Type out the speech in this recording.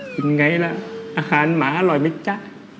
เป็นไงล่ะอาหารหมาอร่อยไหมจ๊ะ